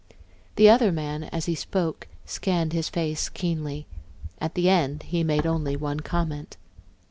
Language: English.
The other man, as he spoke, scanned his face keenly. At the end he made only one comment.